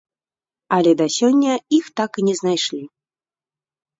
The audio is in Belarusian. Але да сёння іх так і не знайшлі.